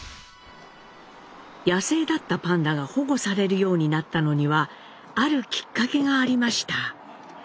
野生だったパンダが保護されるようになったのにはあるきっかけがありました。